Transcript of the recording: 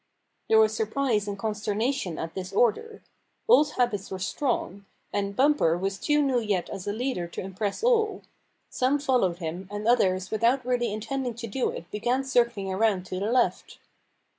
There was surprise and consternation at this order. Old habits were strong, and Bumper was too new yet as a leader to impress all. Some Bumper Hunts With the Pack 15 followed him, and others without really intend ing to do it began circling around to the left.